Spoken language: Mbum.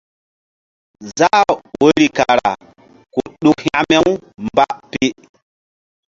Zah woyri kara ku ɗuk hȩkme-umba pi.